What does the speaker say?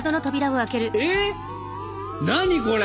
えっ何これ！